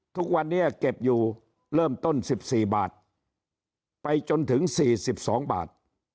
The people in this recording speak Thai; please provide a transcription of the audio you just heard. ทุกวันนี้เก็บอยู่เริ่มต้น๑๔บาทไปจนถึง๔๒บาท